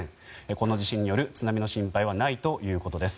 この地震による津波の心配はないということです。